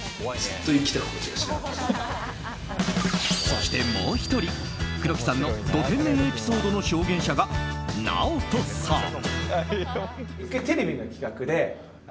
そして、もう１人黒木さんのド天然エピソードの証言者が、ＮＡＯＴＯさん。